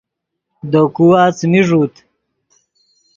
دے کھوا څیمی ݱوت